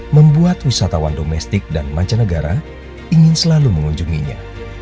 membuat wisatawan domestik dan mancanegara ingin selalu mengunjunginya